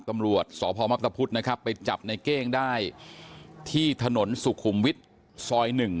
ตำรวจสพมตะพุทธนะครับไปจับในเก้งได้ที่ถนนสุขุมวิทย์ซอย๑